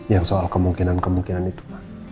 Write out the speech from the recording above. yang soal kemungkinan kemungkinan itu pak